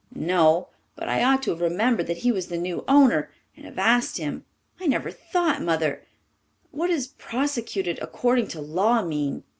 "No, but I ought to have remembered that he was the new owner, and have asked him. I never thought. Mother, what does 'prosecuted according to law' mean?"